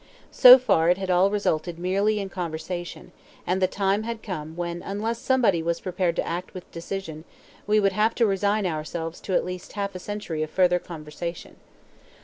So far it had all resulted merely in conversation; and the time had come when unless somebody was prepared to act with decision we would have to resign ourselves to at least half a century of further conversation.